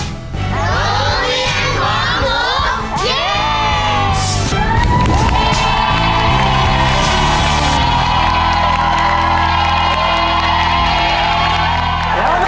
โรงเรียนของหนู